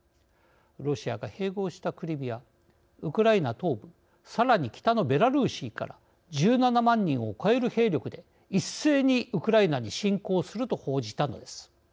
ロシアが併合したクリミアウクライナ東部さらに北のベラルーシから１７万人を超える兵力で一斉にウクライナに侵攻すると報じたのです。